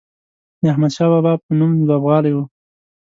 د احمدشاه بابا په نوم لوبغالی و.